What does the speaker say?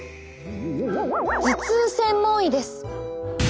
頭痛専門医です。